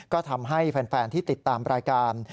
ก็ทำให้แฟนที่ติดตามรายการ